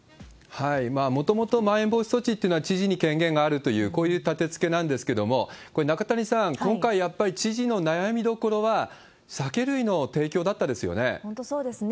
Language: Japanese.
もともとまん延防止措置っていうのは知事に権限があるという、こういう立てつけなんですけれども、これ、中谷さん、今回、やっぱり知事の悩みどころは、酒類の提供だったですよね。